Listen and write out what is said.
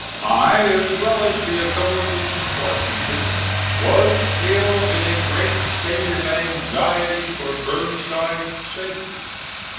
I, as well as the authorities in Washington, was still in a great state of anxiety for Burnside's safety.